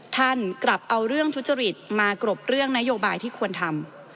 ท่านกลับเอาเรื่องทุจริตมากรบเรื่องนโยบายที่ควรทำ